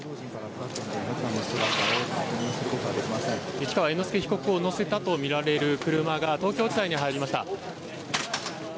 市川猿之助被告を乗せたとみられる車が東京地裁に入りました。